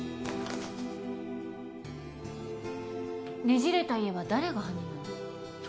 『ねじれた家』は誰が犯人なの？